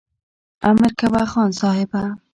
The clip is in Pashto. امر کوه خان صاحبه !